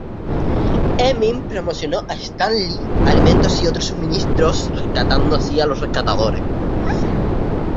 Emin proporcionó a Stanley alimentos y otros suministros, rescatando así los "rescatadores".